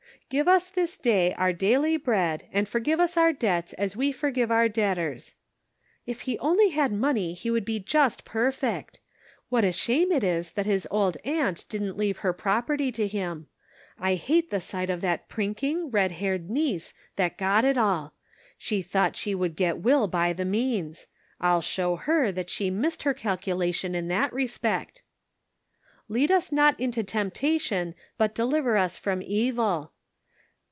' Give us this day our daily bread, and forgive us our debts as we forgive our debtors.' If he only had money he would be just perfect. What a shame it is that his old aunt didn't leave her property Measured by Daylight. 281 to him. I hate the sight of that prinking, red haired neice that got it all ; she thought she would get Will by the means ; I'll show her that she missed her calculation in that respect. ' Lead us not into temptation, but deliver us from evil.'